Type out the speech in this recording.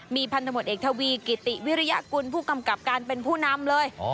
มีพันธมตเอกทวีกิติวิริยกุลผู้กำกับการเป็นผู้นำเลย